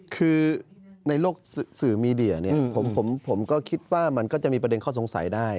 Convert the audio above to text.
คือในโลกสื่อมีเดียเนี่ยผมก็คิดว่ามันก็จะมีประเด็นข้อสงสัยได้